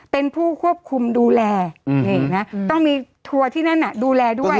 เป็นผู้ควบคุมดูแลนี่นะต้องมีทัวร์ที่นั่นดูแลด้วย